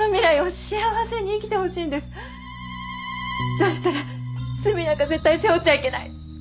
だったら罪なんか絶対背負っちゃいけない。